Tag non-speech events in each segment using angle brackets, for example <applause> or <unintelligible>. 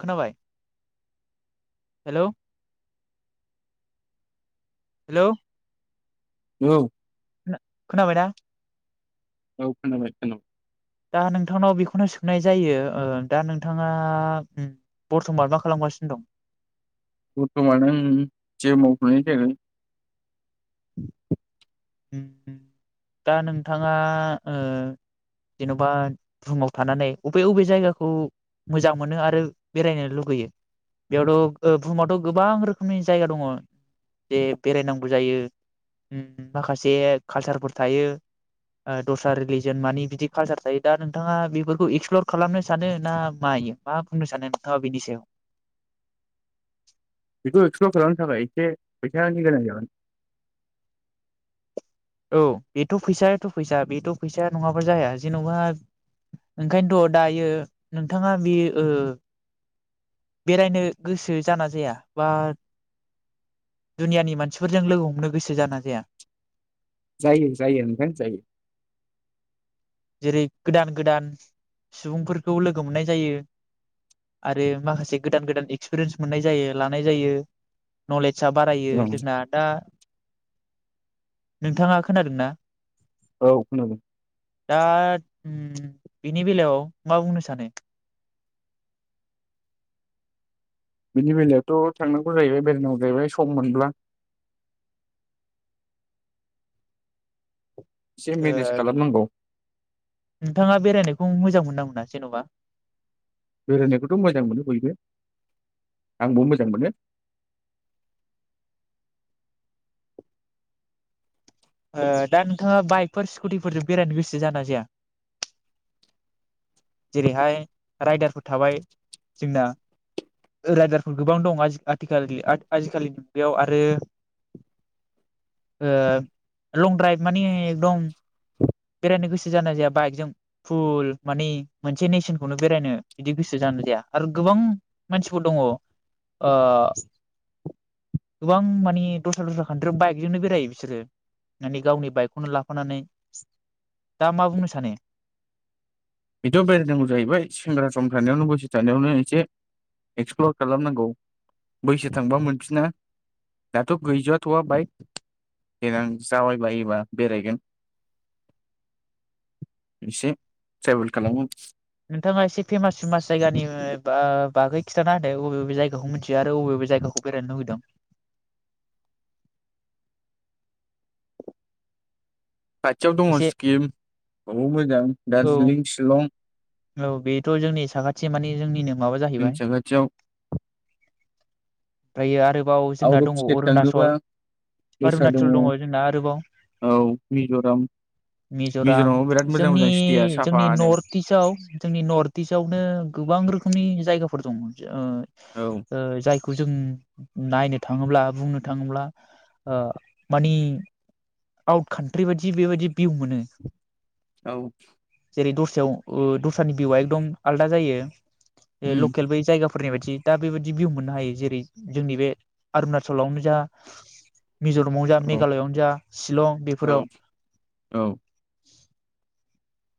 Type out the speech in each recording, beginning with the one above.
खोनाबाय hello hello औ खोना खोनाबाय दा? औ खोनाबाय‌ खोनाबा दा नोंथांनाव बेखौनो सोंनाय जायो ओ दा नोंथाङा उम बर्थमान मा खालामगासिनो दं? बर्थमान ओं जेबो मावथ'नाय जायाखै। उम दा नोंथाङा ओ जेनबा बुहुमाव थानानै अबे बबे जायगाखौ मोजां मोनो आरो बेरायनो लुगैयो बेयावथ बुहुमावथ गोबां रोखोमनि जायगा दङ जे बेरायनांगौ जायो उम माखासे काल्चारफोर थायो ओ दस्रा रिलिजन मानि बिदि काल्चार थायो दा नोंथाङा बिफोरखौ एक्सप्लर खालामनो सानो ना मायो मा बुंनो सानो नोंथाङा बिनि सायाव? बेखौ एक्सप्लर खालामनो थाखाय एसे फैसानि गोनां जागोन। औ बेथ फैसायाथ' फैसा बेथ फैसाया नङाबा जाया जेनबा ओंखायनथ दायो नोंथाङा बे ओ बेरायनो गोसो जाना जाया बा दुनियानि मानसिफोरजों लोगो हमनो गोसो जाना जाया? जायो जायो नोंथां जायो। जेरै गोदान गोदान सुबुंफोरखौ लोगो मोननाय जायो आरो माखासे गोदान गोदान एक्सपिरियेन्स मोननाय जायो लानाय जायो न'ले सा बारायो औ जोंना दा नोंथाङा खोनादों ना? औ खोनादों दा उम बिनि बेलायाव मा बुंनो सानो? बिनि बेलायावथ' थांनांगौ जाहैबाय बेरायनांगौ जाहैबाय सम मोनब्ला। से ओ मेनेज खालामनांगौ। नोंथाङा बेरायनायखौ मोजां मोनो ना मोना जेन'बा बेरायनायखौथ' मोजां मोनो बयबो आंबो मोजां मोनो। ओ दा नोंथाङा बाइकफोर स्कुटिफोरजों बेरायनो गोसो जायो ना जाया? जेरैहाय रायदारफोर थाबाय जोंना रायदारफोर गोबां दं आजि आथिखालनि आ आजिखालिनि मुगायाव आरो ओ लं द्राइभ माने एकदम बेरायनो गोसो जानाय जाया बाइकजों फुल मानि मोनसे नेसनखौनो बेरायनो इदि गोसो जानाय जाया आरो गोबां मानसिफोर दङ ओ गोबां मानि दस्रा दस्रा खान्ट्रियाव बाइकजोंनो बेरायो बिसोरो माने गावनि बाइकखौनो लाफानानै दा मा बुंनो सानो? बेथ' बेरायनांगौ जाहैबाय सेंग्रा सम थानायावनो बैसो थानायावनो एसे एक्सप्लर खालामनांगौ बैसो थांबा मोनफिना दाथ' गैजाथ'वा बाइक देनां जाबायबायोबा बेरायगोन एसे ट्रेबेल खालामगोन नोंथाङा एसे फेमास फेमास जायगानि बा बागै खिन्थाना होदो अबे बबे जायगाखौ मिथियो आरो अबे बबे जायगाखौ बेरायनो लुुबैदों खाथियाव दङ एसे सिक्किम बहुद मोजां औ दार्जिलिं शिलं औ बेथ' जोंनि साखाथि मानि जोंनिनो माबा जोंनि जाहैबाय साखाथियाव ओमफ्राय आरो बाव आउट जोंना अफ दङ स्टेट थाङोबा अरुणाचल अरुनाचल दङ जोंना आरोबाव औ मिज'राम मिज'राम मिज'रामाव बिराद मोजां जोंनि मोजां स्टेया जोंनि साफानो नर्थ इस्टआव जोंनि नर्थ इस्ट आवनो गोबां रोखोमनि जायगाफोर दं मोन ओ औ ओ जाय खौ जों नायनो थाङोब्ला बुंनो थाङोब्ला ओ मानि आउट कान्ट्रि बायदि बेबायदि भिउ मोनो औ जेरै दस्रायाव ओ दस <unintelligible> भिउआ एकदम आलदा जायो ए उम लकेल बेै जायगा फोरनि बायदि दा बेबायदि भिउ मोननो हायो जेरै जोंनि बे अरुणाचलावनो जा मिज'रामावनो जा औ मेघालयआवनो जा शिलं औ बेफोराव औ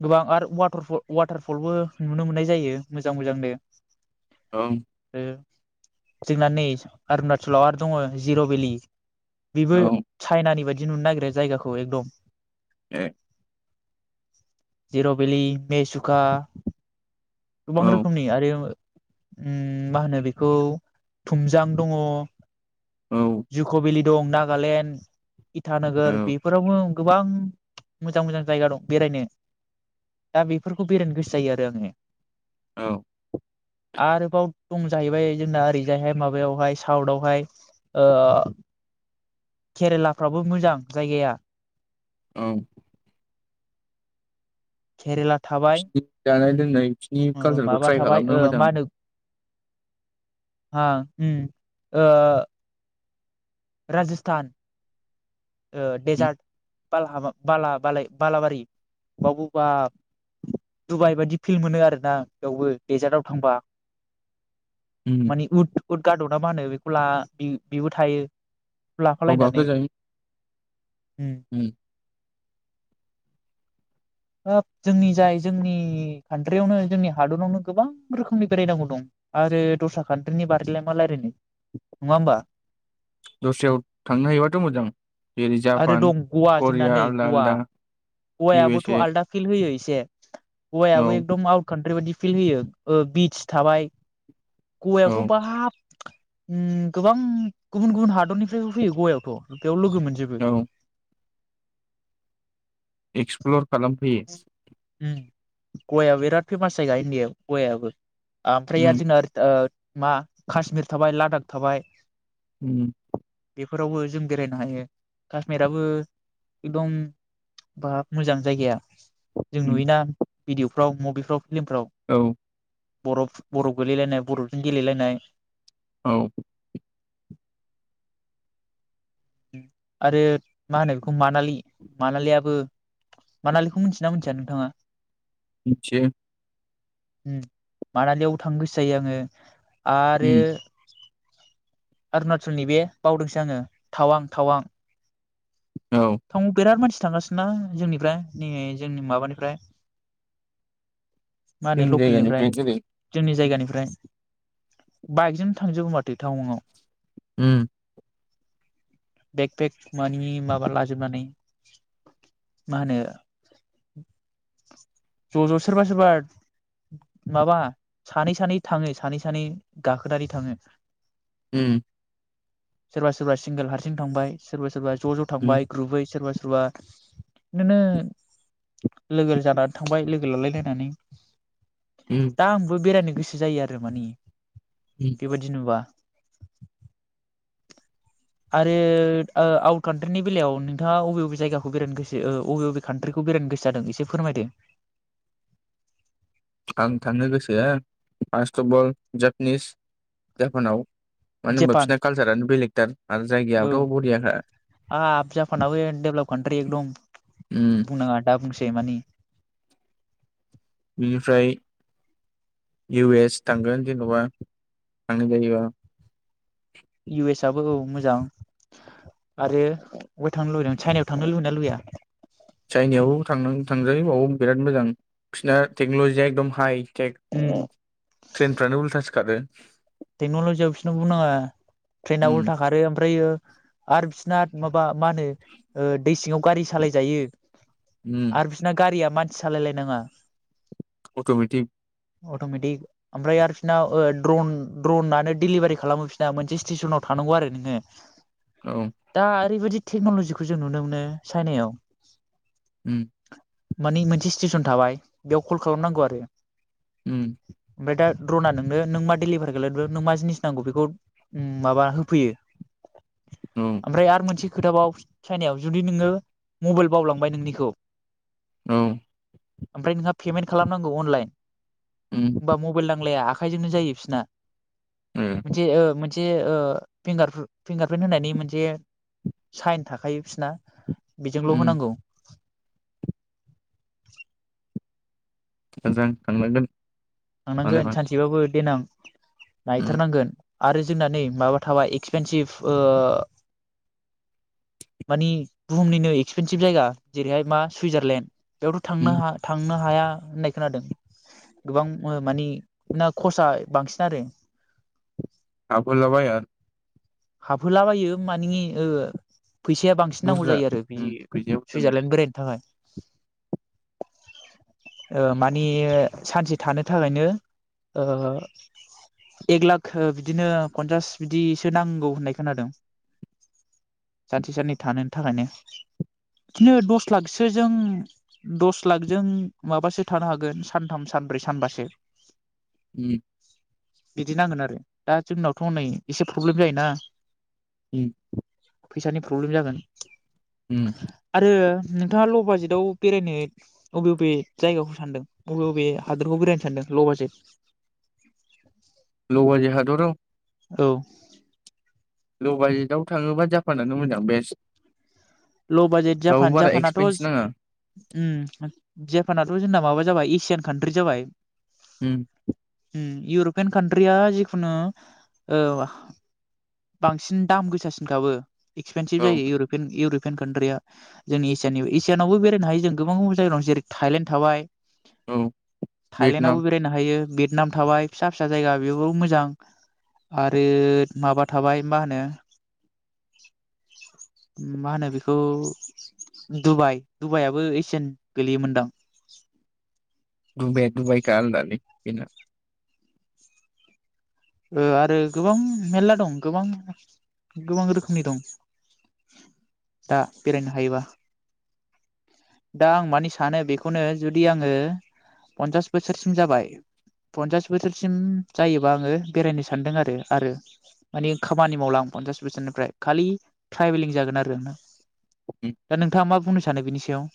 गोबां आरो वाटारफल वाटारफलबो नुनो मोननाय जायो मोजां मोजांनो ओम ओ जोंना नै अरुणाचलाव आरो दङ जिर' भेलि बेबो औ चाइनानि बायदि बिदि नुनो नागिरो जायगाखौ एकदम ए जिर' भेलि मेसुखा गोबां औ रोखोमनि आरो ओम मा होनो बेखौ थुमजां दङ औ जुख' भेलि दं नागालेण्ड इटानोगोर औ बेफोरावबो गोबां मोजां मोजां जायगा दं बेरायनो दा बेफोरखौ बेरायनो गोसो जायो आरो आङो औ आरोबाव दं जाहैबाय जोंना ओरैजायहाय माबायावहाय साउटआवहाय ओ केरेलाफ्राबो मोजां जायगाया औ खेरेला थाबाय बिसिनि जानाय लोंनाय बिसिनि ओ कालसारखौ माबा ट्राइ थाबाय खालामनो ओ मोजां मा होनो आ ओम ओ राजस्थान ओ उम डेजार्ट बालाहामा बाला बाला बालाबारि बाव बबा डुबाइ बायदि फिल मोनो आरोना बेयावबो दडेजार्टाव थांबा उम मानि उट उदगादना मा होनो बेखौ ला बेबो थायो गाव लाफालायनानै गाखोजायो उम हाब जोंनि जाय जोंनि कान्ट्रियावनो जोंनि हादरावनो गोबां रोखोमनि बेरायनांगौ दं आरो दस्रा कान्ट्रिनि बारैलाय मा रायज्लायनो नङा होमबा दस्रायाव थांनो हायोबाथ' मोजां जेरै आरो जापान दं गवा जोंना करिया नै आलदा गवा आलदा इउ एस गवायाबोथ' ए आलदा फिल्ड होयो ए <unintelligible> औ गवायाबो एकदम आउट कान्ट्रि बायि फिल होयो ओ बिस थाबाय गवायावथ' औ बाब ओम गोबां गुबुन गुबुन हादरनिफ्रायबो फैयो गवायावथ' बेयाव लोगो मोनजोबो औ एक्सप्लर खालामफैयो गवायाव बिराद फेमास जायगा इण्डियआव गवाबो आमफ्रायार उम आरो‌ जोंना ओरै ओ मा कश्मिर थाबाय लादाख थाबाय उम बेफोरावबो जों बेरायनो हायो काश्मिराबो एकदम बा मोजां जायगाया जों उम नुयोना भिडिअफ्राव मभिफ्राव फिल्मफ्राव औ बर'फ बर'फ गोलैलायनाय बर'जों गेलेलायनाय औ आरो मा होनो बेखौ मानालि मानालियाबो मानालिखौ मोनथियोना मोनथिया नोंथाङा मिथियो ओम मानालियावबो थांनो गोसो जायो आङो आरो उम अरुणाचलनि बे बावदोंसो आङो थावां थावां औ थं बेेरार मानसि थांगासिनो ना जोंनिफ्राय नै जोंनि माबानिफ्राय मा होनो जोंनि लकेलनिफ्राय जायगानिफ्राय जेरै जोंनि जायगानि ओमफ्राय बाइकजोंनो थांजोबो माथो टाउनाव उम बेक बेेक मानि माबा लाजोबनानै मा होनो ज' ज' सोरबा सोरबा माबा सानै सानै थाङो सानै सानै गाखोनानै थाङो उम सोरबा सोरबा सिंगोल हारसिं थांबाय सोरबा सोरबा ज' ज' उम थांबाय ग्रुबै सोरबा सोरबा बिदिनो लोगो जानानै थांबाय लोगो लालायलायनानै उम दा आंबो बिरायनो गोसो जायो आरो माने उम बेबायदि नुबा आरो ओ आउट कान्ट्रिनि बेलायाव नोंथाङा अबे बबे जायगाखौ बेरायनो गोसो ओ अबे अबे कान्ट्रिखौ बेरायनो गोसो जादों एसे फोरमायदों आं थांनो गोसो हो फार्स्ट अफ अल जापानिस जापानाव मानो होनबा जापान बिसना कालसारानो बेलेगथार आरो औ जायगायथ' बरियाखा कानट्रि एकदम उम बुंनाङा दाबुंसै जेमानि बिनिफ्राय इउ एस थांगोन जेनेबा थांनाय जायोबा इउ एस आबो औ मोजां आरो बहाय थांनो लुबैदों चाइनायाव थांनो लुबैयोना लुबैया? चाइनायावबाबो थांनां-थांजायो बावबो बिराद मोजां बिसिना टेकन'लजिया एकदम हाइ केेक लुबैया ट्रेनफ्रानो उल्थासो खारो <unintelligible> टेक्न'लजिया बिसिनाव बुंनाङा ट्रेेनआ उम उल्था खारो ओमफ्रायो आरो बिसना माबा मा होनो ओ दै सिङाव गारि सालाय जायो उम आरो बिसोरना गारिया मान सालायलायनाङा अट'मेटिक अट'मेटिक ओमफ्राय आरो बिसिना ओ द्रन ड्रनानो डेलिभारि खालामो बिसि आफिना मोनसे स्टेसनाव थानांगौ आरो नोङो औ दा ओरैबायदि टेक्न'लजिखौ जों नुनो मोनो चाइनायाव उम मानि मोनसे स्टेसन थाबाय बेयाव कल खालामनांगौ आरो उम द्र'ना नोंनो नों माडलिभार नों मा जिनिस नांगौ बेखौ माबा होफैयो औ ओमफ्राय आरो मोनसे खोथाबाव चाइनायाव जुदि नोङो मबाइल बावलांबाय नोंनिखौ औ ओमफ्राय नोंहा पेमेन्ट खालामनांगौ अनलाइन उम होनबा मबाइल नांलाया आखाइजोंनो जायो बिसोरना उम मोनसे ओ मोन मोनसे ओ फिंगार फिंगारप्रिन्ट होनायनि मोनसे साइन थाखायो बिसना बेजोंल' उम होनांगौ <inaudible> मोजां थानलांगोन थांनांगोन सानसेबाबो देनां उम नायथारनांगोन आरो जोंना नै माबा थाबाय एक्सपेनसिभ ओ मानि बुहुमनिनो एक्सपेनसिभ जायगा जेरैहाय मा सुइजारलेण्ड बेयावथ' थांनो उम हा थांनो हाया होननाय खोनादों गोबां मानि ना खरसाया बांसिन आरो थाबोला बाया हाबहोलाबायो मानि ओ फैसाया बांसिन नांगौ बुरजा जायो आरो बि उम फैसायाबो उम सुइजारलेण्ड बेरायनो थाखाय ओ माने सानसे थानो थाखायनो ओ एक लाग बिदिनो फन्सास बिदिसो नांगौ होननाय खोनादों सानसे साननै थानो थाखायनो बिदिनो दस लाखसो जों दस लाखजों माबासो थानो हागोन सानथाम सानब्रैसो सानबासो बिदि नांगोन आरो दा जोंनावथ' हनै एसे प्रब्लेम जायोना उम फैसानि प्रब्लेम जागोन उम आरो नोंथाङा ल बाजेटआव बेरायनो बबे बबे जायगाखौ सानदों अबे बबे हादोरखौ बेरायनो सानदों ल' बाजेत ल बाजेत हादराव औ लबाजेटआव थाङोबा जापानानो मोजां बेस्ट ल' बाजेट रावबो जापान बारा जापानाथ' एक्सपेन्स नाङा जापान' जोंना माबा जाबाय एसियान कान्ट्रि जाबाय हम उम इउरपियान कान्ट्रिया जिखुनु बांसिन दाम गोसासिनखाबो एक्पेनसिभ औ जायो इउरपियान इउरप फरेन कान्ट्रिया जोंनि एसियानि एसियानावबो बेरायनो हायो जों गोबां गुबुन जायगायाव जेरै थाइलेण्ड थाबाय औ थायलेण्डआवबो भियेटनाम बेरायनो हायो बेत नाम थाबाय फिसा फिसा जायगा बेयावबो मोजां आरो माबा थाबाय मा होनो मा होनो बेखौ डुबाइ डुबाइयाबो एसियान गोलैयोमोनदां दुबाईआ दुबाई दा आलदालै बेना ओ आरो गोबां मेरला दं गोबां गोबां रोखोमनि दं दा बेरायनो हायोबा दा आं मानि सानो बेखौनो जुदि आङो पन्सास बोसोरसिम जाबाय पन्सास बोसोरसिम जायोबा आङो बेरायनो सानदों आरो आरो मानि खामानि मावला आं पन्सास बोसोरनिफ्राय खालि ट्रायभेलिं जागोन आरो आंना उम दा नोंथाङा मा बुंनो सान सानो बिनि सायाव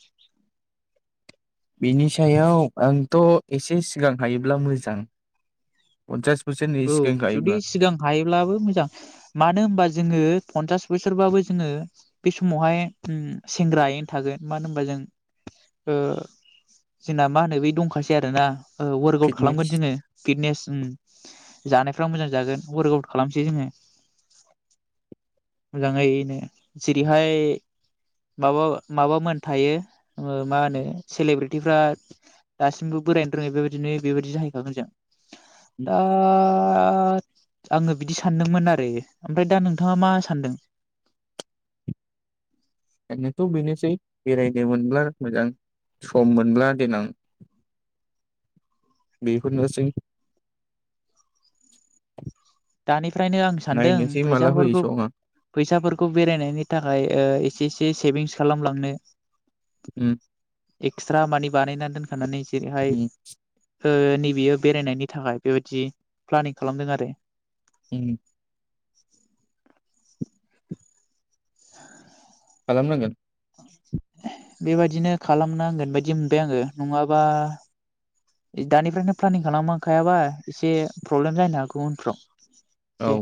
बिनि सायाव आंथ एसे सिगां हायोब्ला मोजां पन्सास बोसोरनि औ सिगां जुदि हायोब्ला सिगां हायोब्लाबो मोजां मानो होनबा जोङो पन्सास बोसोरबाबो जोङो बे समावहाय उम सेंग्रायैनो थागोन मानो होनबा जों ओ जोंना मा होनो बे दंखासै आरो ना ओ ववार्क आउट फिटनेस खालामगोन जोङो फिटनेस ओम जानायफ्रा मोजां जागोन वार्कआउट खालामसै जोङो मोजाङैनो जेरैहाय माबा माबा मोन थायो ओ मा होनो सेलेबेटिफ्रा दासिमबो बोरायनो रोङै बेबायदिनो बेबायदि जाहैखागोन जों दा आङो बिदि सानदोंमोन आरो ओमफ्राय दा नोंथाङा मा सानदों? ओरैनोथ' बेनोसै बेरायनो मोनब्ला मोजां सम मोनब्ला देनां बेफोरनोसै दानिफ्रायनो आं सानदों नायनोसै माला होयो फैसाफोरखौ समा फैसाफोरखौ बेरायनायनि थाख ओमफाय ओ एसे एसे सेभिंस खालामलांनो <unintelligible> एक्सट्रा मानि बानायनानै दोनखानानै जेरैहाय उम ओ नैबेयो बेरायनायनि थाखाय बेबायदि प्लानिं खालामदों आरो उम <inaudible> <inaudible> खालामनांगोन बेबायदिनो खालामनांगोन बायदि मोनबाय आङो नङाबा दानिफ्रायनो प्लानिं खालामखायाबा एसे प्रब्लेम जानो हागौ उनफ्राव औ एसे